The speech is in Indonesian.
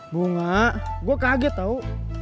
bunga gue kaget tau